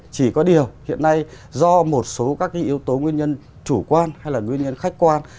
chỉ có điều hiện nay do một số các yếu tố nguyên nhân chủ quan hay là nguyên nhân khách quan